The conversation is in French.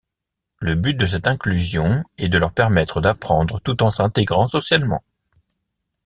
Le but de cette inclusion est de leur permettre d'apprendre tout en s'intégrant socialement.